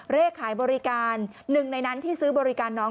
เลขขายบริการหนึ่งในนั้นที่ซื้อบริการน้อง